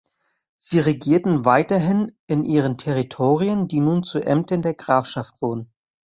Sie regierten weiterhin in ihren Territorien, die nun zu Ämtern der Grafschaft wurden.